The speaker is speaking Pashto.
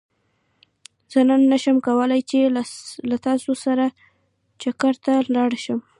زه نن نه شم کولاي چې له تاسو سره چکرته لاړ شم